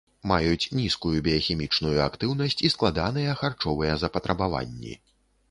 Маюць нізкую біяхімічную актыўнасць і складаныя харчовыя запатрабаванні.